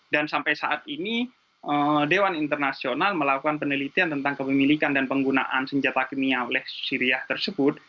dan sampai saat ini dewan internasional melakukan penelitian tentang kepemilikan dan penggunaan senjata kimia oleh syria tersebut